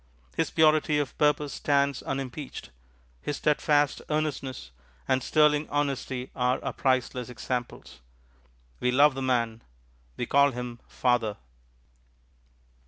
His purity of purpose stands unimpeached; his steadfast earnestness and sterling honesty are our priceless examples. We love the man. We call him Father.